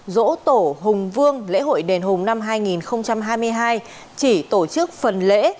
dỗ tổ hùng vương lễ hội đền hùng năm hai nghìn hai mươi hai chỉ tổ chức phần lễ